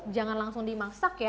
jangan langsung dimasak ya